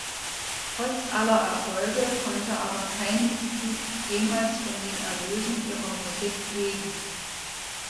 Trotz aller Erfolge konnte aber kein Mitglied jemals von den Erlösen ihrer Musik leben.